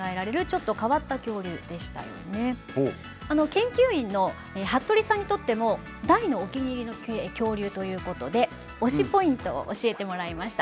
研究員の服部さんにとっても大のお気に入りの恐竜ということで推しポイントを教えてもらいました。